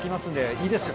いいですか？